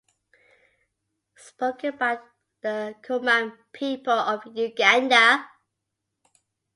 Spoken by the Kumam people of Uganda.